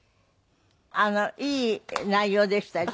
あのいい内容でしたよ